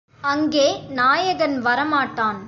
அங்கே நாயகன் வரமாட்டான்.